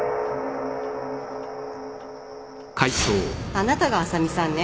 あなたが麻美さんね